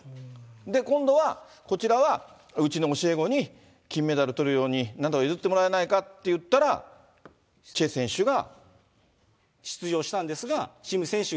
今度は、こちらはうちの教え子に金メダルとるように、なんとか譲ってもらえないかって言ったらチェ選手が。